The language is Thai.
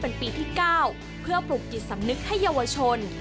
เป็นปีที่๙เพื่อปลุกจิตสำนึกให้เยาวชน